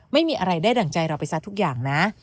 ไม่มีอะไรได้ดั่งใจเราไปซะทุกอย่างนะ